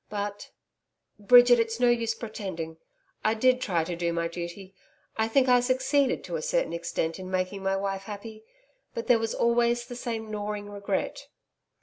But Bridget, it's no use pretending I did try to do my duty. I think I succeeded, to a certain extent, in making my wife happy but there was always the same gnawing regret....'